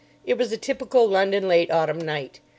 It was a typical London late autumn night.